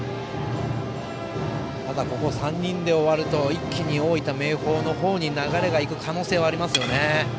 ただ、ここ３人で終わると一気に大分・明豊の方に流れが行く可能性がありますよね。